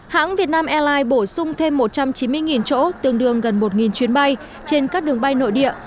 hãng vietnam airlines bổ sung thêm một trăm chín mươi chỗ tương đương gần một chuyến bay trên các đường bay nội địa